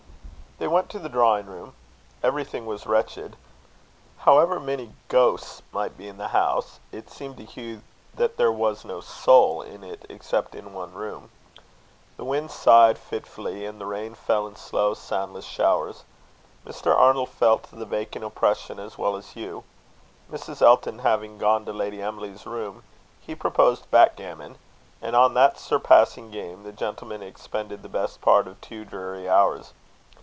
They went to the drawing room. Everything was wretched. However many ghosts might be in the house, it seemed to Hugh that there was no soul in it except in one room. The wind sighed fitfully, and the rain fell in slow, soundless showers. Mr. Arnold felt the vacant oppression as well as Hugh. Mrs Elton having gone to Lady Emily's room, he proposed back gammon; and on that surpassing game, the gentlemen expended the best part of two dreary hours.